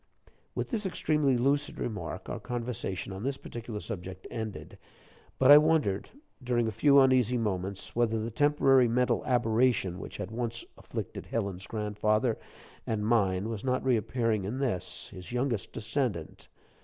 With this extremely lucid remark, our conversation on this particular subject ended; but I wondered, during a few uneasy moments, whether the temporary mental aberration which had once afflicted Helen's grandfather and mine was not reappearing in this, his youngest descendant.